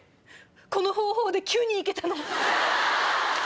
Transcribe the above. この方法で９人行けたの？